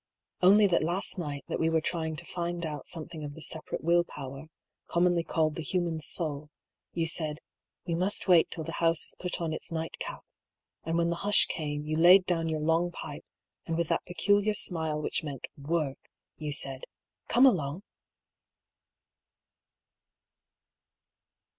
(Only that last night that we were trying to find out something of the sepa rate will power, commonly called " the human soul," you said, ^' We must wait till the house has put on its night cap ;" and when the hush came, you laid down your FOUND IN AN OLD NOTEBOOK OP LILIA PYM'S. 131 long pipe, and with that peculiar smile which meant worhy you said, " Come along